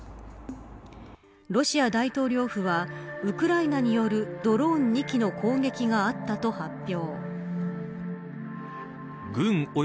ロシア大統領府はウクライナによるドローン２機の攻撃があったと発表。